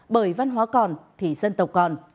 bởi văn hóa còn thì dân tộc còn